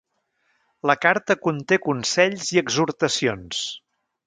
La carta conté consells i exhortacions.